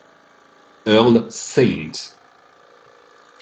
Earl St.